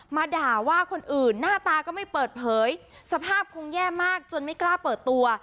มาด่าว่าคนอื่นหน้าตาก็ไม่เปิดเผยสภาพคงแย่มากจนไม่กล้าเปิดตัว